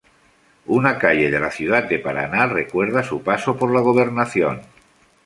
Una calle de la ciudad de Paraná recuerda su paso por la gobernación.